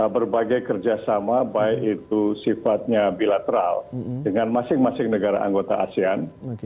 berbagai kerjasama baik itu sifatnya bilateral dengan masing masing negara anggota asean